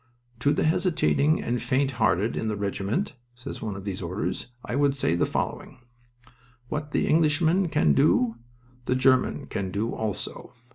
"To the hesitating and faint hearted in the regiment," says one of these Orders, "I would say the following: "What the Englishman can do the German can do also.